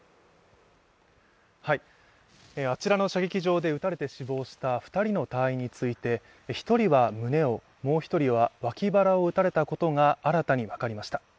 あちらの射撃場で撃たれて死亡した２人の隊員について１人は胸を、もう１人は脇腹を撃たれたことが新たに分かりました。